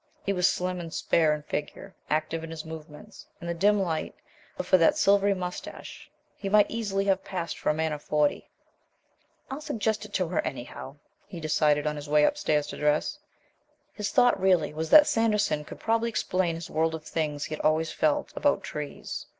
He was slim and spare in figure, active in his movements. In the dim light, but for that silvery moustache, he might easily have passed for a man of forty. "I'll suggest it to her anyhow," he decided on his way upstairs to dress. His thought really was that Sanderson could probably explain his world of things he had always felt about trees.